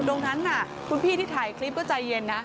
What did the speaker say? เขาก็อยู่ตรงนั้นคุณพี่ที่ถ่ายคลิปก็ใจเย็นนะ